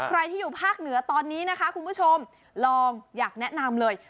ใครที่อยู่ภาคเหนือตอนนี้นะคะคุณผู้ชมลองอยากแนะนำเลย